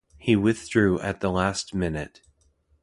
He withdrew at the last minute.